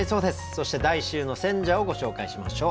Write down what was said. そして第１週の選者をご紹介しましょう。